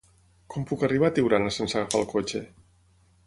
Com puc arribar a Tiurana sense agafar el cotxe?